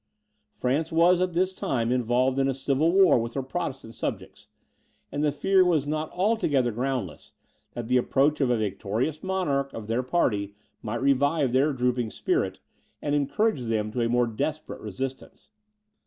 France was at this time involved in a civil war with her Protestant subjects, and the fear was not altogether groundless, that the approach of a victorious monarch of their party might revive their drooping spirit, and encourage them to a more desperate resistance.